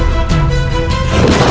saya akan melakukannya